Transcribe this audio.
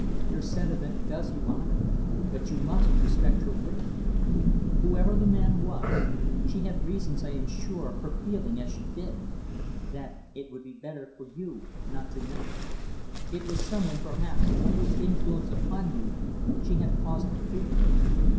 Your sentiment does you honor, but you must respect her wish. Whoever the man was she had reasons, I am sure, for feeling as she did that it would be better for you not to know. It was some one, perhaps, whose influence upon you, she had cause to fear."